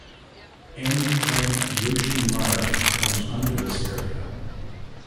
N. M. Joshi Marg comes under this area.